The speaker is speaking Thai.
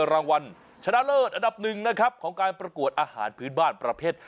รางวัลชนะเลิศอันดับหนึ่งนะครับของการประกวดอาหารพื้นบ้านประเภท